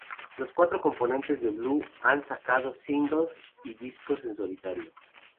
Los cuatro componentes de Blue han sacado singles y discos en solitario.